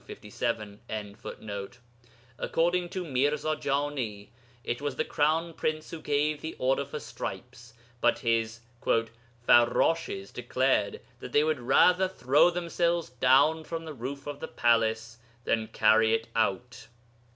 257.] According to Mirza Jani, it was the Crown Prince who gave the order for stripes, but his 'farrashes declared that they would rather throw themselves down from the roof of the palace than carry it out.'